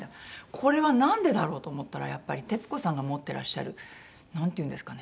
これはなんでだろう？と思ったらやっぱり徹子さんが持ってらっしゃるなんていうんですかね？